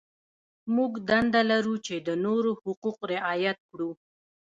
موږ دنده لرو چې د نورو حقوق رعایت کړو.